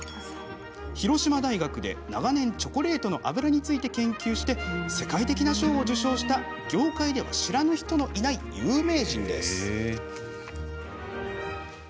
広島大学で長年チョコレートの油ついて研究し世界的な賞を受賞した業界では知らぬ人のいない有名人です。